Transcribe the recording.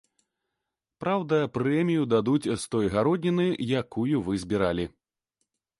Праўда, прэмію дадуць з той гародніны, якую вы збіралі.